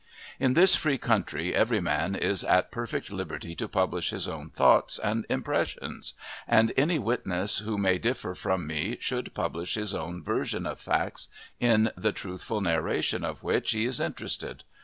In this free country every man is at perfect liberty to publish his own thoughts and impressions, and any witness who may differ from me should publish his own version of facts in the truthful narration of which he is interested.